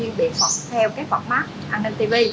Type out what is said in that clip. hoặc theo các format an ninh tv